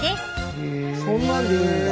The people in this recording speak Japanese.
そんなんでいいんだ。